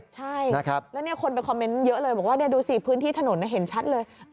ใช่แล้วคนไปคอมเมนต์เยอะเลยบอกว่าดูสิพื้นที่ถนนเห็นชัดเลย